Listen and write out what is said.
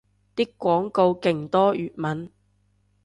啲廣告勁多粵文